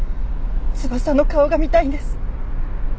翼の顔が見たいんです。